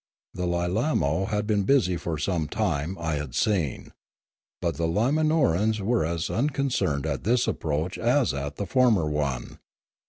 The L,ilamo had been busy for some time, I had seen; but the L,ima norans were as unconcerned at this approach as at the former one.